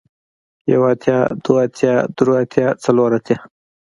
يو اتيا دوه اتيا درې اتيا څلور اتيا